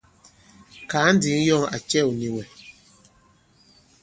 Kàa ǹdǐŋ yɔ̂ŋ à cɛ̂w nì wɛ̀.